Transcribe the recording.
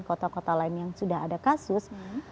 kota kota lain yang sudah ada kasus